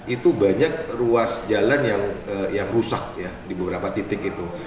itu banyak ruas jalan yang rusak ya di beberapa titik itu